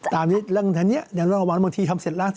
ตามนี้อย่างนั้นระวังบางทีทำเสร็จล้าง